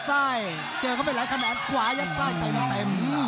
ขวายัดไส้เต็ม